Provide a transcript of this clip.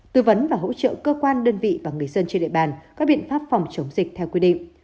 tư vấn và hỗ trợ cơ quan đơn vị và người dân trên địa bàn các biện pháp phòng chống dịch theo quy định